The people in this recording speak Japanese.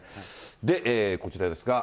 で、こちらですが。